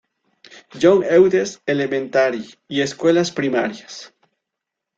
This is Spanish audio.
John Eudes Elementary y escuelas primarias.